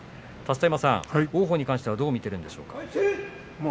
立田山さん、王鵬に関してはどう見ているんでしょうか。